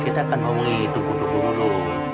kita akan omongi tuku tuku dulu